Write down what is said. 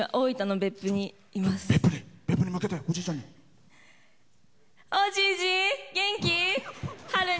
別府に向けておじいちゃんに。